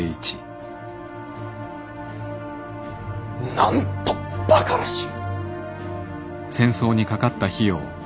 なんとバカらしい！